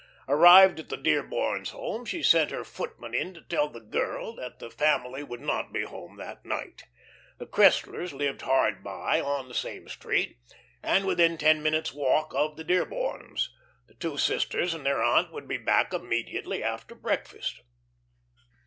Arrived at the Dearborns' home, she sent her footman in to tell the "girl" that the family would not be home that night. The Cresslers lived hard by on the same street, and within ten minutes' walk of the Dearborns. The two sisters and their aunt would be back immediately after breakfast.